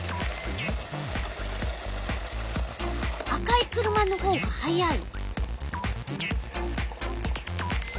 赤い車のほうが速い。